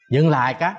dừng lại các